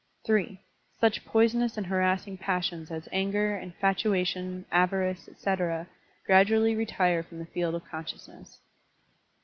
(3) Such poisonous and harassing passions as anger, infatuation, avarice, etc., gradually retire from the field of consciousness.